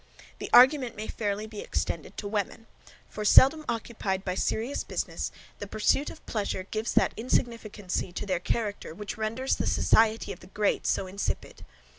The argument may fairly be extended to women; for seldom occupied by serious business, the pursuit of pleasure gives that insignificancy to their character which renders the society of the GREAT so insipid.